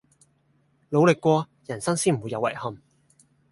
努力過人生先唔會有遺憾